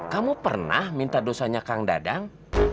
kamu pernah minta dosanya kang dadang